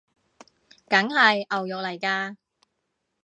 梗係！牛肉來㗎！